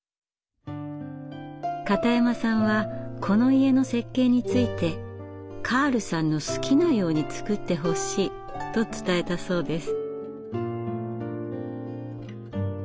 片山さんはこの家の設計について「カールさんの好きなように造ってほしい」と伝えたそうです。